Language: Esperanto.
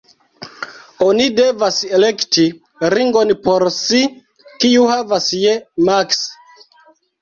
Oni devas elekti ringon por si, kiu havas je maks.